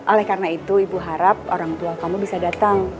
oleh karena itu ibu harap orang tua kamu bisa datang